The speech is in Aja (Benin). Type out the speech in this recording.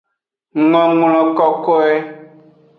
Ngonglo kokoe.